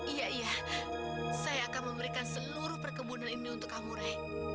iya iya saya akan memberikan seluruh perkebunan ini untuk kamu rei